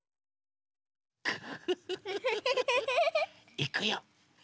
いくよ。